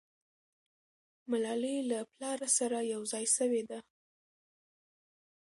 ملالۍ له پلاره سره یو ځای سوې ده.